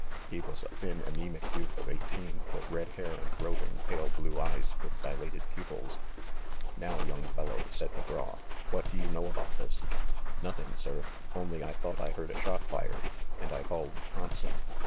He was a thin anemic youth of eighteen, with red hair and roving, pale blue eyes with dilated pupils. "Now, young fellow," said McGraw, "what do you know about this ?" "Nothing, sir. Only, I thought I heard a shot fired, and I called Thompson."